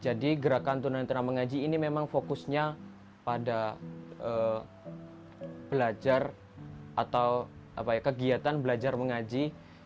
jadi gerakan tunanetra mengaji ini memang fokusnya pada belajar atau kegiatan belajar mengaji